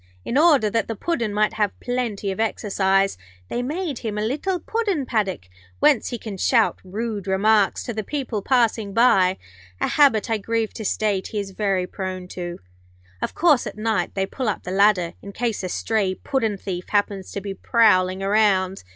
In order that the Puddin' might have plenty of exercise, they made him a little Puddin' paddock, whence he can shout rude remarks to the people passing by; a habit, I grieve to state, he is very prone to. Of course, at night they pull up the ladder in case a stray puddin' thief happens to be prowling around.